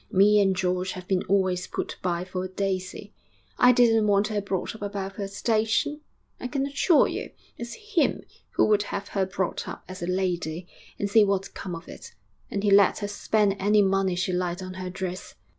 Me and George have been always put by for Daisy. I didn't want her brought up above her station, I can assure you. It's him who would have her brought up as a lady; and see what's come of it! And he let her spend any money she liked on her dress....